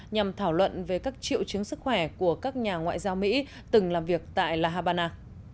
nhằm thảo luận về các triệu chứng sức khỏe của các nhà ngoại giao mỹ từng làm việc tại la habana